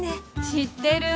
知ってる。